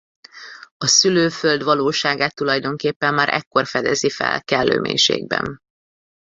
A szülőföld valóságát tulajdonképpen már ekkor fedezi fel kellő mélységben.